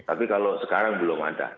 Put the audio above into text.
tapi kalau sekarang belum ada